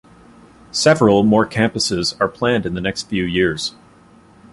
Several more campuses are planned in the next few years.